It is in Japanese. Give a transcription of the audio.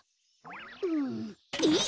うんえっ！？